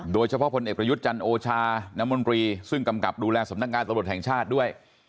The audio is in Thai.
โดยเฉพาะพลเอกประยุทธ์จันทร์โอชาน้ำมนตรีซึ่งกำกับดูแลสำนักงานตำรวจแห่งชาติด้วย